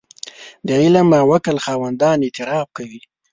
د علم او عقل خاوندان اعتراف کوي.